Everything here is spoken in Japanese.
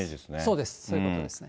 そうです、そういうことですね。